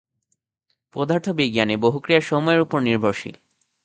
পদার্থ-বিজ্ঞানে বহু ক্রিয়া সময়ের উপর নির্ভরশীল।